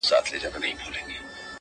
پرې کرم د اِلهي دی-